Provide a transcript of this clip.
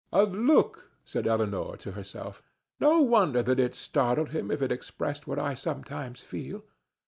"A look!" said Elinor to herself. "No wonder that it startled him if it expressed what I sometimes feel.